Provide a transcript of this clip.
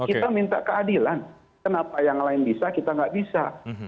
kita minta keadilan kenapa yang lain bisa kita nggak bisa